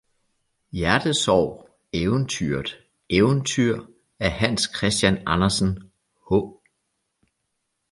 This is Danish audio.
Hjertesorg eventyret eventyr af hans christian andersen h